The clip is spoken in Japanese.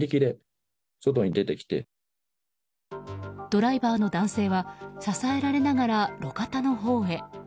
ドライバーの男性は支えられながら路肩のほうへ。